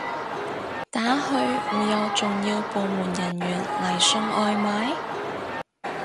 打去會有重要部門人員嚟送外賣？